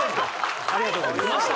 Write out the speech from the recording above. ありがとうございます